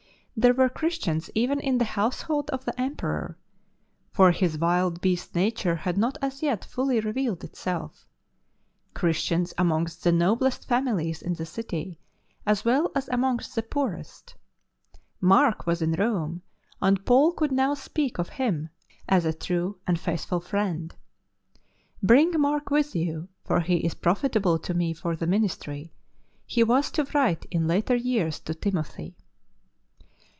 There were Christians even in the household of the Emperor — for his wild beast nature had not as yet fully revealed itself— Christians amongst the noblest families in the city as well as amongst the poorest. Mark was in Rome, and Paul could now speak of him as a true and faithful friend. " Bring Mark with you, for he is profitable to me for the, ministry," he was to write in later years to Timothy.